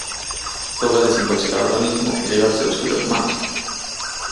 Toca desintoxicar o organismo e librarse dos quilos de máis...